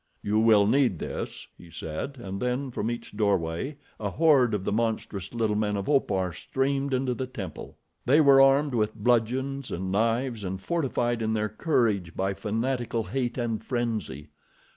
"You will need this," he said, and then from each doorway a horde of the monstrous, little men of Opar streamed into the temple. They were armed with bludgeons and knives, and fortified in their courage by fanatical hate and frenzy.